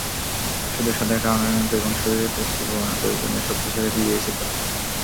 শুধু স্বাদের কারণে নয়, বেগুন শরীরের পুষ্টি পূরণের প্রয়োজনীয় সবজি হিসেবে বিবেচিত।